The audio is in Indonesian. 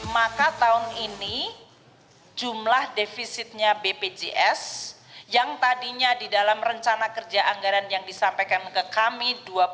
maka tahun ini jumlah defisitnya bpjs yang tadinya di dalam rencana kerja anggaran yang disampaikan ke kami